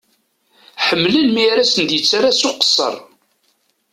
Ḥemmlen mi ara sen-d-yettara s uqesser.